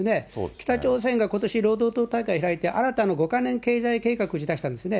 北朝鮮がことし労働党大会を開いて、新たな５か年経済計画を打ち出したんですね。